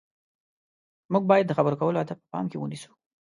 موږ باید د خبرو کولو اداب په پام کې ونیسو.